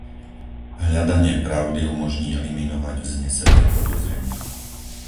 Hľadanie pravdy umožní eliminovať vznesené podozrenia.